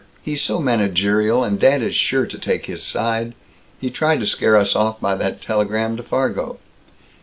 He's so managerial, and dad is sure to take his side. He tried to scare us off by that telegram to Fargo."